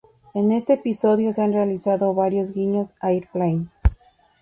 En este episodio se han realizado varios guiños a "Airplane!